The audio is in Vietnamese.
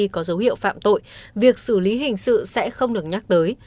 có dấu hiệu phạm tội việc xử lý hình sự sẽ không được nhắc tới